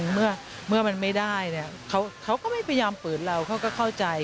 เมื่อมันไม่ได้เขาก็ไม่พยายามฝืนเราเขาก็เข้าใจ